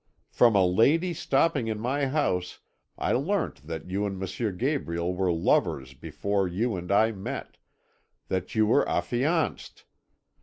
From a lady stopping in my house I learnt that you and M. Gabriel were lovers before you and I met that you were affianced.